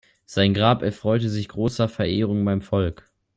Sein Grab erfreute sich großer Verehrung beim Volk.